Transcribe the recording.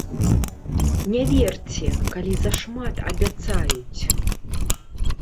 Не верце, калі зашмат абяцаюць!